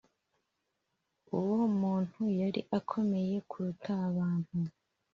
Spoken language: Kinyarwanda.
Uwo muntu yari akomeye kuruta abantu